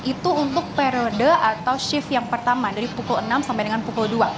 itu untuk periode atau shift yang pertama dari pukul enam sampai dengan pukul dua